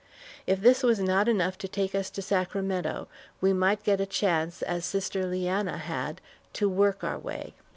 If this was not enough to take us to Sacramento, we might get a chance as Sister Leanna had, to work our way.